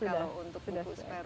kalau untuk buku sperus aja